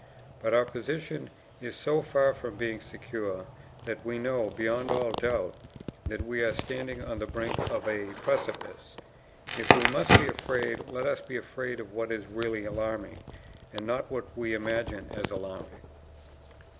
But our position is so far from being secure that we know, beyond all doubt, that we are standing on the brink of a precipice. If we must be afraid let us be afraid of what is really alarming, and not what we imagine as alarming.